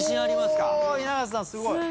すごい。